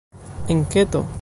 enketo